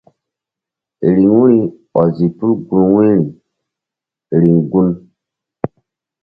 Riŋu ri ɔzi tul gun wu̧yri riŋ gun.